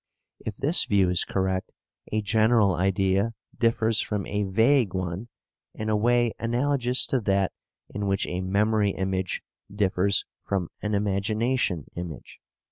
If this view is correct, a general idea differs from a vague one in a way analogous to that in which a memory image differs from an imagination image.